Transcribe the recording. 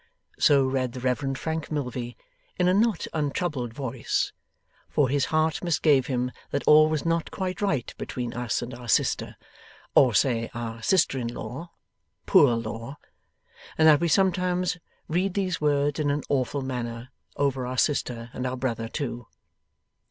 So read the Reverend Frank Milvey in a not untroubled voice, for his heart misgave him that all was not quite right between us and our sister or say our sister in Law Poor Law and that we sometimes read these words in an awful manner, over our Sister and our Brother too.